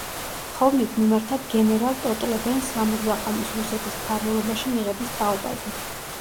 თხოვნით მიმართა გენერალ ტოტლებენს სამურზაყანოს რუსეთის მფარველობაში მიღების თაობაზე.